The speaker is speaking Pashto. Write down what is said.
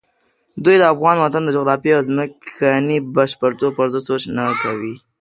دوی د افغان وطن د جغرافیې او ځمکني بشپړتوب پرضد سوچ نه کوي.